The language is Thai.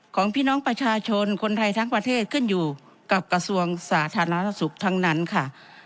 ของพี่น้องประชาชนคนไทยทั้งประเทศขึ้นอยู่กับกระทรวงสาธารณสุขทั้งนั้นค่ะ